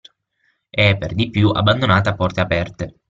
E, per di più, abbandonata a porte aperte!